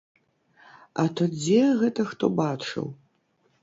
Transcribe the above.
А то дзе гэта хто бачыў!